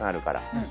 うん。